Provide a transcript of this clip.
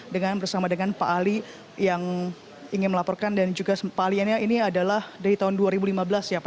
dengan bersama dengan pak ali yang ingin melaporkan dan juga pak aliannya ini adalah dari tahun dua ribu lima belas ya pak